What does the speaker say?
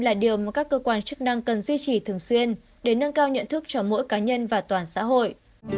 là điều mà các cơ quan chức năng cần duy trì thường xuyên để nâng cao nhận thức cho mỗi cá nhân và toàn xã hội